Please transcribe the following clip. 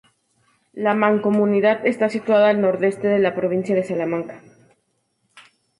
La Mancomunidad está situada al nordeste de la provincia de Salamanca.